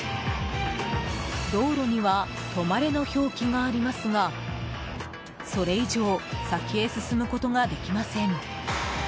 道路には止まれの表記がありますがそれ以上先へ進むことができません。